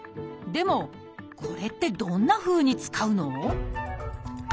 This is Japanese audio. でもこれってどんなふうに使うの？